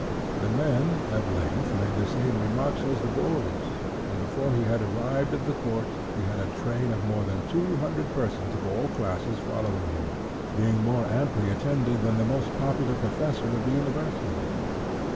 The men at length made the same remarks as the boys and before he had arrived at the courts he had a train of more than two hundred persons of all classes following him, being more amply attended than the most popular professor of the university.